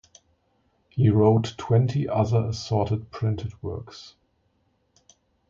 He wrote twenty other assorted printed works.